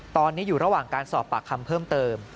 ตอนนี้อยู่ระหว่างการสอบปากคำเพิ่มเติม